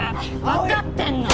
わかってんの？